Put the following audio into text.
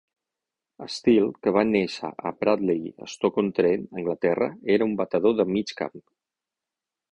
Steele, que va néixer a Bradeley, Stoke-on-Trent, Anglaterra, era un batedor de mig camp.